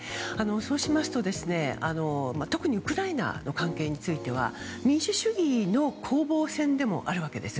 そうしますと、特にウクライナの関係については民主主義の攻防戦でもあるわけです。